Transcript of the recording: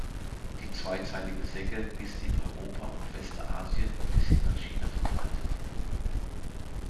Die Zweizeilige Segge ist in Europa und West-Asien bis hin nach China verbreitet.